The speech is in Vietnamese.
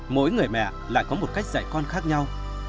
mỗi người mẹ lại có một cách dạy con khác nhau